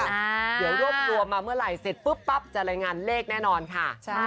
เดี๋ยวรวบรวมมาเมื่อไหร่เสร็จปุ๊บปั๊บจะรายงานเลขแน่นอนค่ะ